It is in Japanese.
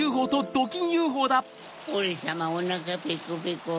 オレさまおなかペコペコ。